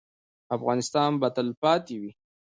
افغانستان به تلپاتې وي؟